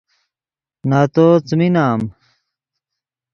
نتو څیمی نام